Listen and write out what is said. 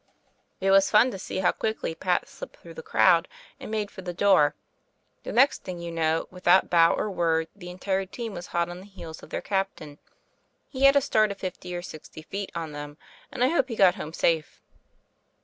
'^ "It was fun to see how quickly Pat slipped through that crowd, and made for the door. The next thing you know, without bow or word, the entire team was hot on the heels of their captain. He had a start of fifty or sixty feet on them, and I hope he got home safe."